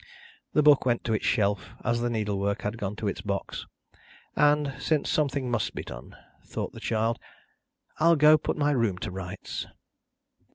The book went to its shelf as the needlework had gone to its box, and, since something must be done thought the child, "I'll go put my room to rights."